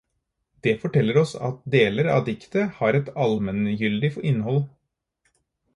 Det forteller oss at deler av diktet har et allmenngyldig innhold.